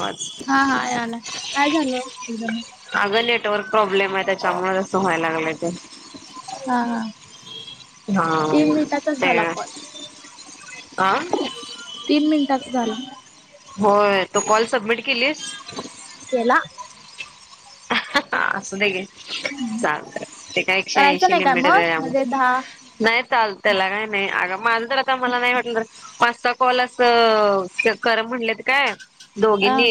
आवाज, हा हा यालाय काय झालं एकदम अगं नेटवर्क प्रॉब्लेम हाय त्याच्यामुळच व्हाय लागलंय ते. हा हा! हा तीन मिनिटाचाच ते झाला कॉल आ तीन मिनिटात झालं. होय तू कॉल सबमिट केलीस? केला. हा असुदे की. चालय ते काय एकशे करायचं ऐशी नाही काय लिमिट मग ग, म्हणजे दहा नाय चाल त्याला काय नाय अग माझं तर आता मला नाही वाटलं पाच सहा कॉल असं चेक करा म्हणलेत काय हा दोघीनी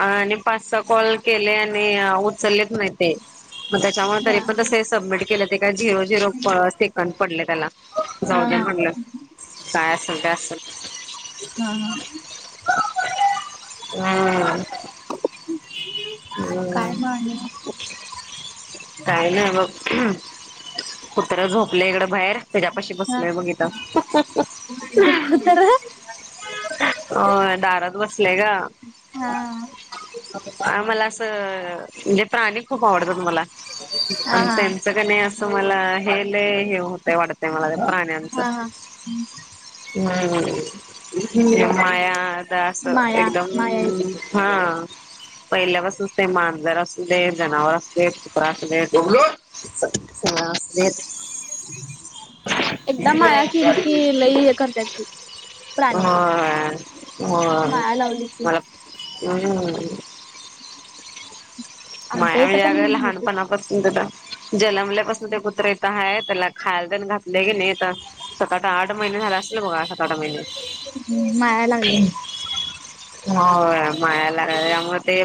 आणि पाच सहा कॉल केलय आणि उचललेत नाही ते. मग त्याच्यामुळ तरी दहा पण हा त सबमिट केलं ते का झिरो झिरो सेकड पडले त्याला. जाऊद्या हा म्हणलं काय असल ते असल. हा हा! हम्म! [inaudible] काय म्हणे [unintelligible] काय नाय बघ कुत्र झोपलय इकडं बाहेर. तेज्या पशी हा बसलोय बघ इथ. तर होय दारात बसलेय ग. हा मला असं म्हणजे प्राणी खूप आवडतात मला. हा आणि हा त्यांचं कानाय असं मला हे लय हे होतं वाटतय मला प्राण्यांचं. हा [inaudible] हम् माया द असं माया एकदम माया येत्या हा! पहिल्या पसूनच ते मांजर असुदे जनावर असुदेत कुत्र असुदेत हा एकदा माया केली की आल्यात लई हे करतात ती प्राणी पण हा होय माया लावली की मला हम्! आमच्या माया इथं हे पण आग लहान होती पना जन्मल्या पासन ते कुत्र इथ हाय तेला खायला तेन घात लय की नाय आता सात आ आठ महिने झाल असतील बघा. माया लागल्या [unintelligible] हो माळालाग [unintelligible] त्यामुळ ते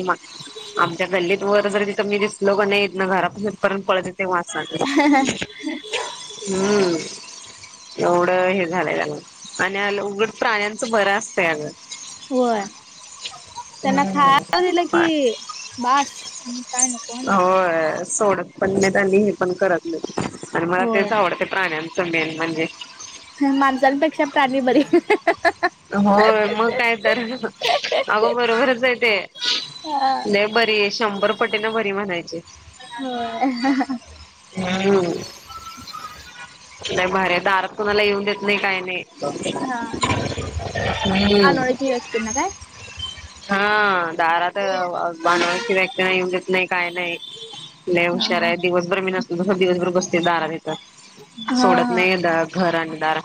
आमच्या गल्लीत वर जर तिथं मी दिसलो का नाहीे इथन घरापासून परत पळत येतय वासानं. हम्म. एवढं हे झालंय त्याला आणि उलट प्राण्यांचं भरं असतंय अगं होय त्यांना खायारा दिलं हम्म की बास. काय नको होय सोडत पण नाहीत आणि हे पण करत नाहीत आणि मला तेच होय आवडते प्राण्यां च मेन म्हणजे. ह माणसांपेक्षा प्राणी बरी. हो मग काय तर अगं बरोबरच आहे ते. लयी बरीये शंभर पटीन बरी म्हणायची. होय हम्म. ह [unintelligible] लय भारी ये दारात कोुणाला येऊन देत नाही काही नाही. हा. हम्म [unintelligible] त्यांन काय? हा दारात बां अ अनोळखी व्यक्ती ना येऊ दत नाही काही नाही. लय हा हुशार आहे दिवसभर मी नसलो तर दिवसभर बसते दारात ईथ. हा सोडत हा नाही घर आण दार.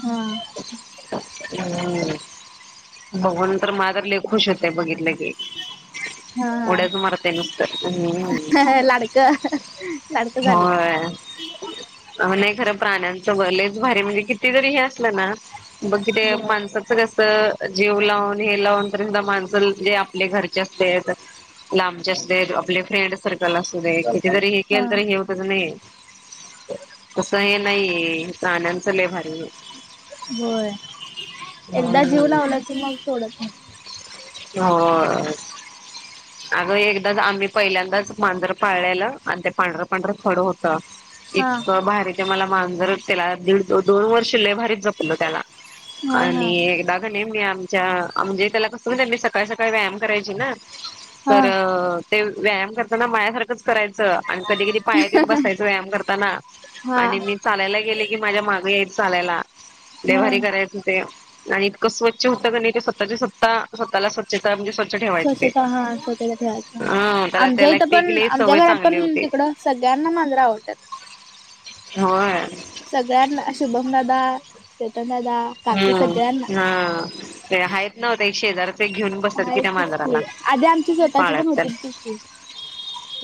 हा. हम्म बगुन तर माझ तर लयी खुश होतेय बघितलं की हा उढ्या च हा मारतय नुसत हम् लाडक झालं नाही खरं प्राण्यांचं ब लयीच भारी म्हणजे किती तरी हे असलं ना बग कि होय. माणसं कस जीव लावून हे लावून माणस म्हणजे आपले घरचे असुदेत लांबचे असुदेत आपले फ्रेंड सर्कल असू देत हे हा. केल तरी हे तच नाही तस हे नाही हे प्राण्यांचं लई भारी हे होय एकदा जीव लावला की मग सोडत नाही. हो अगं एकदाच आम्ही पहिल्यांदाच मांजर पाळल्याला आणि ते पांढरं पांढर खड होत हा इतकं भारी ते मला मांजर त्याला दीड दोन वर्ष लयी भारी ज जपलं त्याला हा हा आणि कनी मी आमच्या आमजे त्याला कस म्हण त्यांनी सकाळी सकाळी व्यायाम करायची ना हा तर ते व्यायाम करताना मायासारखंच करायचं. आणि कधी कधी पायात येऊन बसायच व्यायाम करताना हा आणि मी चालायला गेले की माझ्या मागे यायच चालायला लय भारी हा करायचे हो ते आणि इतकं स्वच्छ होतं का नाही ते स्वतची स्वत्ता स्वतःला स्वच्छता म्हणजे स्व स्वच्छता हा स्वच्छता ठेवायच ह त्याला आमच्या त्याला इथं ते पण केले आमच्या सवय घरात चांगली पण होती तिकडं सगळ्यांना मांजर आवडतात होय सगळ्यांना शुभम दादा चेतन दादा काकी सगळ्यांना हुम्म हा ते हायत नव्ह ते एक शेजारचे घेऊन बसत्यात की मांजराला आधी आमची स्वतःची पण पाळत तर होतीत की खूप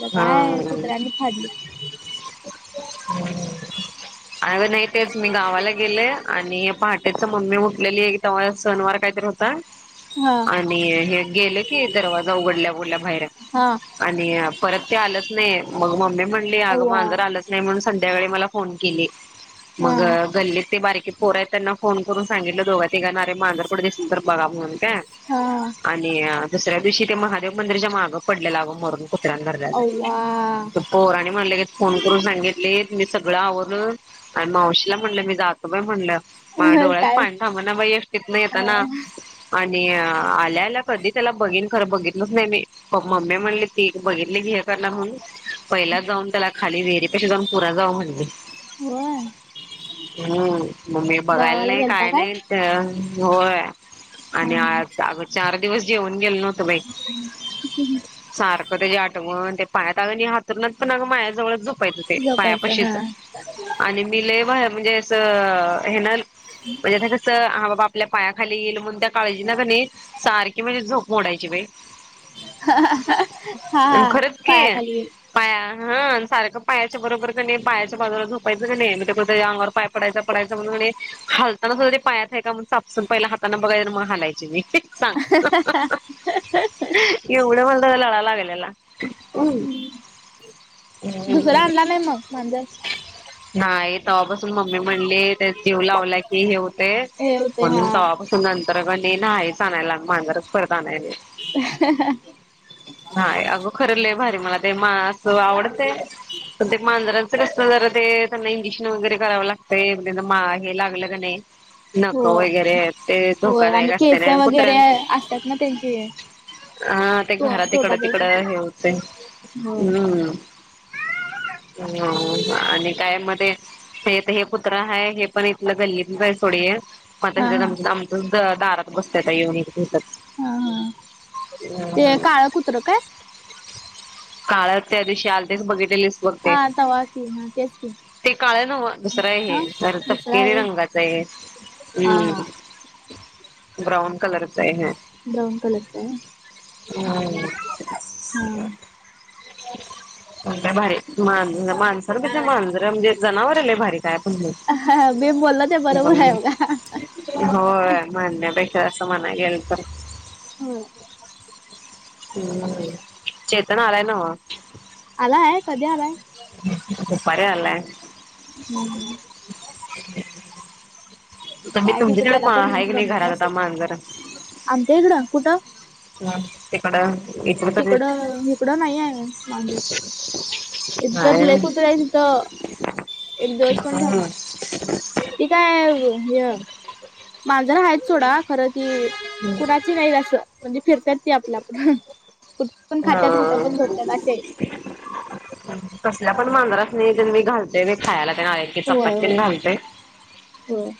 खर हा काय कुत्र्यांनी फाडली. हम्म [unintelligible] अर नाही तेच मी गावाला गेले आणि पहाटेच मम्मी ऊटलेली त्यावेळेस सनवार काहीतरी हो ता हा आणि हे गेलं की दरवाजा उघडल्या उघडल्या बाहेर हा आणि अप परत ते आलंच नाही, मग मम्मी म्हणली अगं अव्वा मांजर आलंच नाही म्हणून संध्याकाळी मला फोन केली. हा मग गल्लीत ते बारीक की पोर आहेत त्यांना फोन करून सांगितलं दोघा तिघा ना अरे मांजर कुठ दिसल तर बघा म्हणून काय हा आणि दुसऱ्या दिवशी ते महादेव मंदिरच्या माग पडलेला गं मरून [unintelligible] [unintelligible] अव्वा ते पोरांनी म लगेच फोन करून सांगितलीत मी सगळं आवरुन आणि मावशीला म्हणलं मी जातो बाई म्हणलं माया डोळ्यात काय पाणी थांबना बई एस्टीतन येताना आणि आल्या आल्या कधी तेला बघीन खरं बघितलंच नाही मी प मम्मी म्हणली ती ती बघितली हे करणार म्हणून पहिला जाऊन त्याला खाली विहिरीपाशी जाऊन पुरा जावा म्हणली होय हम्म म मी बघायला गावाला नाही गेलता काय नाही त्य होय. आणि आ हा आग चार दिवस जेवन गेल नव्हत बई सार क तेजी आठवण, ते पायात अग आणि हातूरणात पण आग मायाजवळच झोपायचं ते झोपायचं हा पायापशीच आणि मी लय [unintelligible] म्हणजे अस हेन म्हणजे आता कसं हा बाबा आपल्या पायाखाली येईल म्हणून त्या काळजीन कनी सारखी माझी झोप मोडायची बई हा हा खरंच की पायाखाली ईल पाया हा सारखं पायाच्या बरोबर कनी पायाच्या बाजूला झोपायचं कनी म कुठ तेज्या अंगावर पाय पडायचा पडायचा म्हणून कणी हलताना सुद्धा ते पायात हाय का चापसून पहिला हातान बघाय आणि मग हालायची मी सांग एवढं मला त्याजा लळा लागेलला उ [unintelligible] दुसरा आणला नाही मग मांजर नाही तवापासून मम्मी म्हणली त्या जीव लावला की हे हुतंय हे होते हा म्हणून तवापासू नंतर कनी नाहीच आणायला, आमी मांजरच परत आणाय नई [inaudible] हाय आग खरं लय भारी मला ते मा अस आवडतय पण ते मांजरां च कस जरा ते त्यांना इंजीक्शन वगैरे करावं लागतय म त्यांच मा हे लागलं कणी नकं होय वगैरे ते होय आणि धोकादायक असते केस नई [unintelligible] वगैरे कुत्र्यां असतात ना त्यांची अ ते तो घरात ईकड तोडला जाऊ तिकडं शकतात हे हुतंय होय उम्म [unintelligible] आणि काय म ते ते हे कुत्र हाय हे पण इथलं गल्लीतलच हाय सोड हे म आता हा हेज्यात हा आमच आमचं त दारातच बसत आता इवून [unintelligible] हुम्. हा हा ते काळं कुत्रं काय? काळ त्या दिवशी आलतीस बघितलेलीस बघ ते हा तवा की हा तेच की ते काळ न्हवं दुसरं हाय हा हे [unintelligible] दुसरा तपकेरी आहे रंगाच हाय हे हा हा हुम् ब्राऊन कलर चाय हे ब्राऊन कलरचा आहे हू [unintelligible] लय भारी मांज माणसानपेक्षा मांजरं म्हणजे जनावर लय भारी काय पण म्हण हा हा मी बोल्लो ते बरोबर हाय बघा होय म्हणण्यापेक्षा असं म्हणाय गेल तर ह हम् चेतन आलाय न्हवं आलाय कधी आलाय? दुपारी आलाय. हम्म. तुम्ही काय तुमच्या तिथं त्याला तिकडे पण आहे की नाही गमत घरात आता नसल, मांजर आमच्या इकडं कुठं? [unintelligible] इकडं तरी तिकडं हिकडं नई आय मांजर हित तर लय नाही कुत्री हाईत हित एक दिवस पण हम्म ठेवणार नई ते काय हे, मांजर आहेत सोडा खरं ती कुणा ची नई अस, म्हणजे फिरतात ती आपल्या आपुण, कुठ पण खात्यात कुठं पण हा झोपतात अशे आहेत. कसल्या पण मांजरासनी तेन मी घालतो बाई मी खायला तेन आ ते होय चपाती तेन होय घालतोय. होय.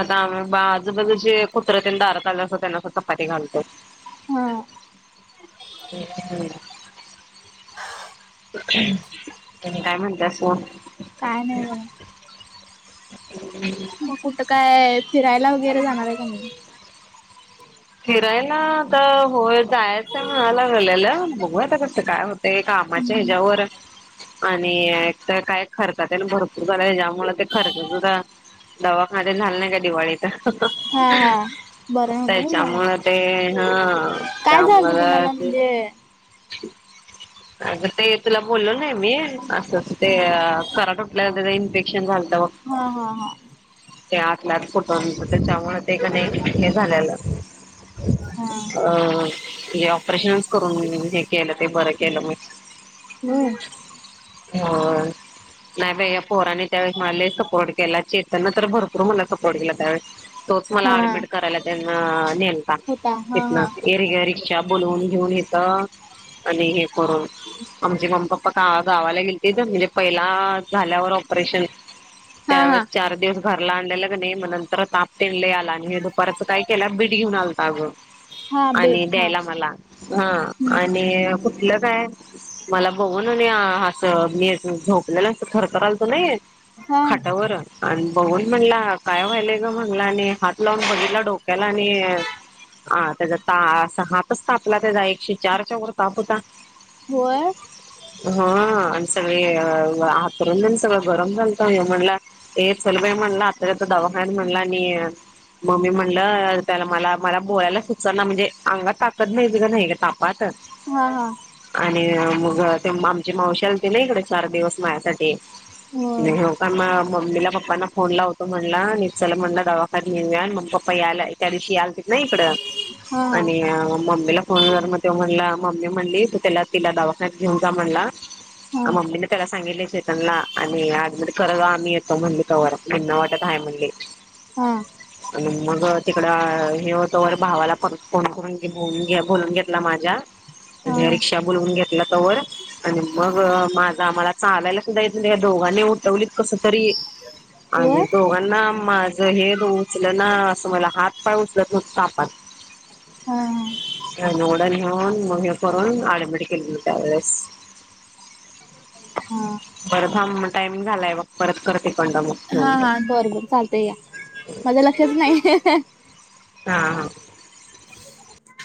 आता आम्ही ब आजूबाजूचे कुत्रे तेन दारात आले असत्यात त्यांना चपाती घालतो. हा हम् [unintelligible] तेनी काय म्हणत्यात कोण? काय नाही बगा. [inaudible] म कुठं काय फिरायला वगैरे जाणार आहे का नाही. फिरायला तर होय जायचंय म्हणाय लागलेलं बघूया आता कसं काय हो तय कामाच्या हिज्यावर. आणि एक तर काय खर्चा तेन भरपूर झालाय त्याज्यामुळे ते खर्चाचं [unintelligible] दवाखाने झाल नाही का दिवाळीत. हा हा, बरं नव्ह तर मला, त्याच्यामुळं ते हा काय झालत तुम्हाला त्यामुळं म्हणजे अग ताई तुला बोललो नाही मी असं अस ते अ खरा ठुटल्या वर इन्फेक्शन झालंत बग हा हा हा. ते आतल्याआत फुटन त्याच्यामुळे ते का नाही हे झालेलं. हा हा. अ हे ऑपरेशनच करून हे केलं ते बर ये. केलं मग होय. हो. नाही बाई या पोराने त्यावेळेस मला लई सपोर्ट केला चेतनने तर भरपूर मला सपोर्ट केला त्यावेळेस तोच हा मला ऍडमिट करायला त्यांन नेलता होता हा हा तिथन. एरग्या रिक्षा बोलवून घेऊन हीत आणि हे करून आमचे मम्मी पप्पा का गावाला गेलतीन म्हणजे पहिला झाल्यावर ऑपरेशन हा हा त्यावेळेस चार दिवस घरला आणलेल का नही मग नंतर ताप तेले आला. हे दुपाराच काय केला बीट घेऊन आलत अगं हा आणि बेट हा द्यायला आमाला हा आणि कुठलं काय मला बघून [inaudible] स मी अस झोपलेलंत खरखर आलतो नाही हा खाटावर आणि बघून म्हणला काय व्हायलय ग म्हणला आणि हात लावून बघितला डोक्याला आणि आ त्याचा ता असा हातच तापला त्याचा एकशे चारच्या वर ताप होता. होय. हा आणि सगळे आतरुनबित सगळं गरम झालत अंग म्हणला हे चल बाई म्हणलं आतागत दवाखान्यात म्हणलं आणि म मी म्हणलं त्याला मला मला बोलायला सुचना म्हणजे अंगात ताकत नाही दिल नाही ग तापात. हा हा. आणि मग ते आमची मावशी आलती ना इकडे चार दिवस माझ्यासाठी [inaudible] होय अम मम्मीला पप्पांना फोन लावतो म्हणलं आणि चलं म्हणलं दवाखान्यात नेऊयान म पप्पा यायला त्या दिवशी आलती ना इकड हा हा आणि मम्मीला फोन व मग ते म्हण म''--'' ती म्हणली त त्याला तिला दवाखान्या घेऊन जा म्हणला. हा अ मम्मीने त्याला सांगितले चेतनला आणि आज मते. तर ना मी येतो म्हणली तवर निम्म्या वाटत आहे म्हणली. हा. आणि मग तिकडं हे होतं वर भावाला परत फोन करून बोल बोलून घेतला माझ्या. आणि हा. रीक्षा बोलून घेतली. घेतला तवर आणि मग माझा आम्हाला चालायला सुद्धा येत नाही दोघांनी उठ''--'' ठेवलीत कस तरी आनल होय दोघांनी. ना माझं हे उचल ना असं मला हात पाय उचल तो तापात. हां. वड घेऊन मह करून आडबडी केले हो त्यावेळेस हा बर थांब म टाईम झालाय बघ परत करते कंड मग हा ठेवून हा बर बर चालतय या माझ्या लक्षात नाही हा हा [inaudible]